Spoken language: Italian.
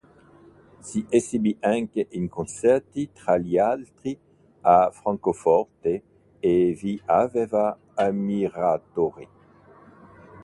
Si esibì anche in concerti, tra gli altri a Francoforte, e vi aveva ammiratori.